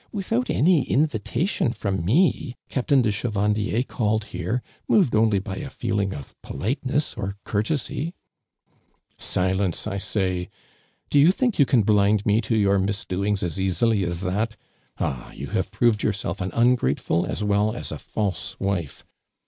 Without any invitjition from me. CaptJiin lie Ohevan<lier called here, moved only by a feeling of politeness or courtesy," ••Silence. I say! Po you think you can blind me to your misdoings as easily as that ! Ah, you have i)roved yourself an un grateful as well as a false wife.